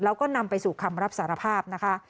แล้วก็นำไปสู่คำรับสารภาพนะคะ